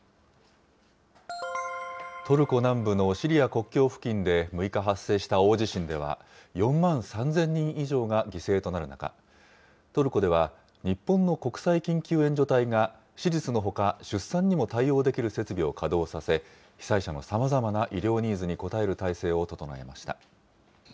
トルコ南部のシリア国境付近で６日発生した大地震では、４万３０００人以上が犠牲となる中、トルコでは、日本の国際緊急援助隊が手術のほか、出産にも対応できる設備を稼働させ、被災者のさまざまな医療ニーズに応える体制を整えました。